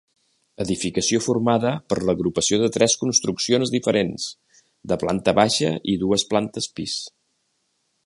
Edificació formada per l'agrupació de tres construccions diferents, de planta baixa i dues plantes pis.